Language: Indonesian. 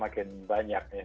jadi kita harus berpikir pikir